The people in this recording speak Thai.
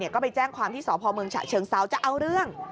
ก็ไปแจ้งความที่สพเมืองฉะเชิงเซาจะเอาเรื่อง